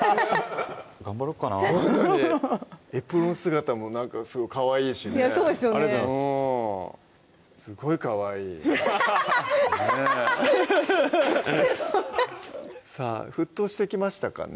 頑張ろっかなエプロン姿もなんかすごいかわいいしねありがとうございますすごいかわいいさぁ沸騰してきましたかね